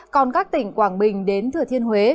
còn các tỉnh quảng bình đến thừa thiên huế